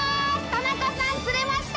田中さん釣れました！